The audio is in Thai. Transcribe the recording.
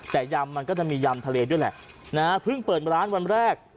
แต่ยำมันก็จะมียำทะเลด้วยแหละนะฮะเพิ่งเปิดร้านวันแรก